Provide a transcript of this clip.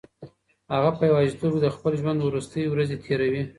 هغه په یوازیتوب کې د خپل ژوند وروستۍ ورځې تېروي.